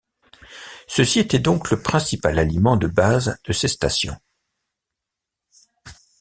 Ceux-ci étaient donc le principal aliment de base de ces stations.